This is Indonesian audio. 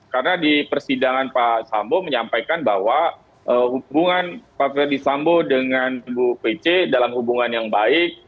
karena di persidangan pak sambo menyampaikan bahwa hubungan pak ferdisambo dengan bu pc dalam hubungan yang baik